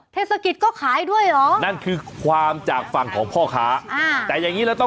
เทศกิจขาย